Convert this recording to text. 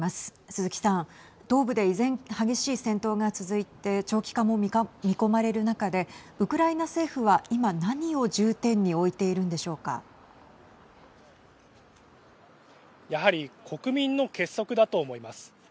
鈴木さん、東部で依然激しい戦闘が続いて長期化も見込まれる中でウクライナ政府は今、何を重点にやはり国民の結束だと思います。